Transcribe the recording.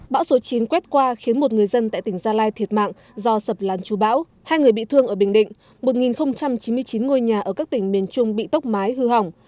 bão số chín quét qua khiến một người dân tại tỉnh gia lai thiệt mạng do sập lan chú bão hai người bị thương ở bình định một chín mươi chín ngôi nhà ở các tỉnh miền trung bị tốc mái hư hỏng